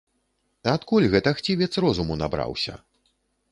Адкуль гэта хцівец розуму набраўся?